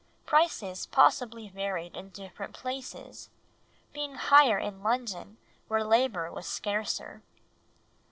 Prices possibly varied in different places, being higher in London where labour was scarcer.